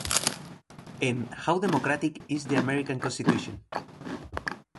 En "How Democratic is the American Constitution?